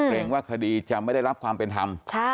ว่าคดีจะไม่ได้รับความเป็นธรรม